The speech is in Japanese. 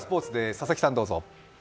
佐々木さん、どうぞ。